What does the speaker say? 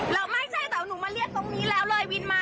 ไม่ใช่แต่ว่าหนูมาเรียกตรงนี้แล้วเลยวินมา